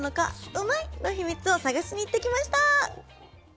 うまいッ！のヒミツを探しに行ってきました。